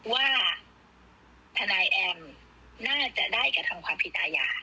ว่าทนายแอมน่าจะได้กระทำความผิดอาญา